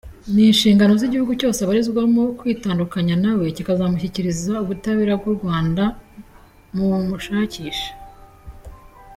Ni inshingano z’igihugu cyose abarizwamo kwitandukanya nawe kikazamushyikiriza ubutabera bw’u Rwanda bumushakisha.”